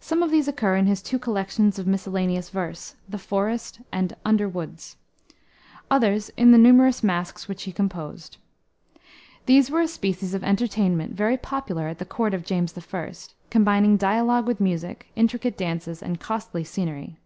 Some of these occur in his two collections of miscellaneous verse, the Forest and Underwoods; others in the numerous masques which he composed. These were a species of entertainment, very popular at the court of James I., combining dialogue with music, intricate dances, and costly scenery.